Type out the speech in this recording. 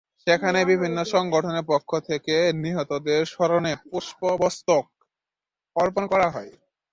সেখানেই বিভিন্ন সংগঠনের পক্ষ থেকে নিহতদের স্মরণে পুষ্পস্তবক অর্পণ করা হয়।